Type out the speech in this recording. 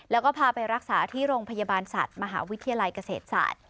แล้วก็พาไปรักษาที่โรงพยาบาลสัตว์มหาวิทยาลัยเกษตรศาสตร์